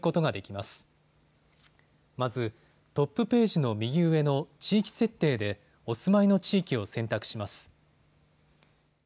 まずトップページの右上の地域設定でお住まいの地域を選択します。